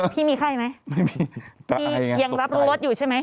พี่มีไข้ไหมไม่มีพี่ยังรับรู้รถอยู่ใช่ไหม